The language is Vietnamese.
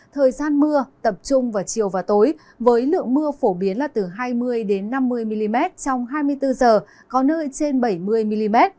thời gian mưa tập trung vào chiều và tối với lượng mưa phổ biến là từ hai mươi năm mươi mm trong hai mươi bốn h có nơi trên bảy mươi mm